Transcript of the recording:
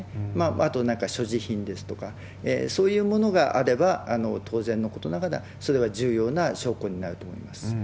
あと所持品ですとか、そういうものがあれば、当然のことながら、それは重要な証拠になると思います。